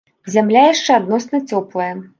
Зямля яшчэ адносна цёплая.